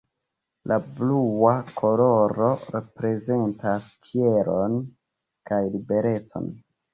La blua koloro reprezentas ĉielon kaj liberecon.